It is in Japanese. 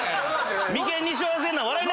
眉間にしわ寄せんな！